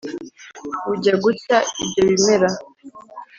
Bujya gucya ibyo bimera